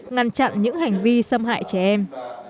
ngăn chặn những hành vi xâm hại trẻ em